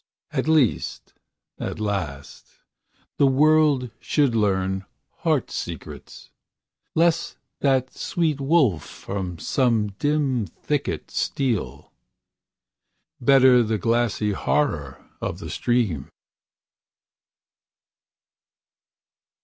And lest, at last, the world should learn heart secrets; Lest that sweet wolf from some dim thicket steal; Better the glassy horror of the stream.